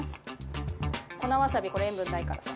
粉わさびこれ塩分ないからさ。